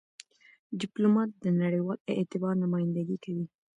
ډيپلومات د نړېوال اعتبار نمایندګي کوي.